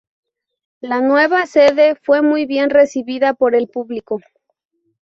La nueva sede fue muy bien recibida por el público.